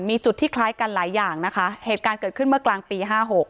มีจุดที่คล้ายกันหลายอย่างนะคะเหตุการณ์เกิดขึ้นเมื่อกลางปี๕๖